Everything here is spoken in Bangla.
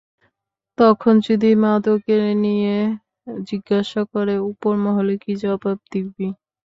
তখন যদি মাদকের নিয়ে জিজ্ঞাসা করে, উপর মহলে কী জবাব দিবি?